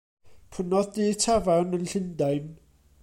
Prynodd dŷ tafarn yn Llundain.